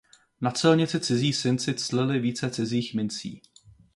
Na celnici cizí synci clili více cizích mincí.